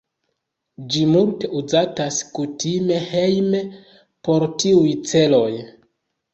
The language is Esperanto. Ĝi multe uzatas kutime hejme por tiuj celoj.